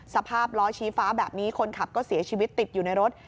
สภาพล้อชี้ฟ้าแบบนี้คนขับก็เสียชีวิตติดอยู่ในรถ